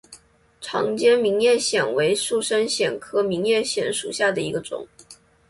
长尖明叶藓为树生藓科明叶藓属下的一个种。